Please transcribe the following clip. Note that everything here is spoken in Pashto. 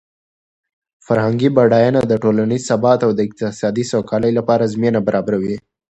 فرهنګي بډاینه د ټولنیز ثبات او د اقتصادي سوکالۍ لپاره زمینه برابروي.